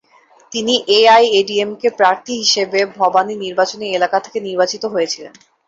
তিনি এআইএডিএমকে প্রার্থী হিসাবে ভবানী নির্বাচনী এলাকা থেকে নির্বাচিত হয়েছিলেন।